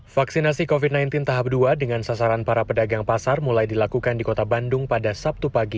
vaksinasi covid sembilan belas tahap dua dengan sasaran para pedagang pasar mulai dilakukan di kota bandung pada sabtu pagi